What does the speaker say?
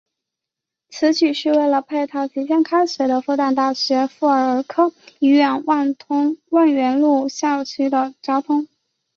此举是为了配套即将开张的复旦大学附属儿科医院万源路院区的交通。